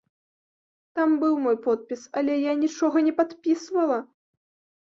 Там быў мой подпіс, але я нічога не падпісвала!